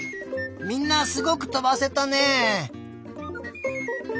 みんなすごくとばせたね！